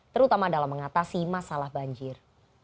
terutama dalam mengatasi masalah banjir